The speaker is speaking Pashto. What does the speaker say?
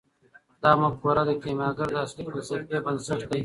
دا مفکوره د کیمیاګر د اصلي فلسفې بنسټ دی.